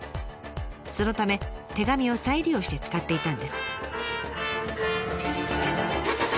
そのため手紙を再利用して使っていたんです。